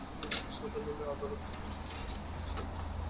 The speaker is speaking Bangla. তিনি আমার সদালীলাময় আদরের ধন, আমি তাঁর খেলার সাথী।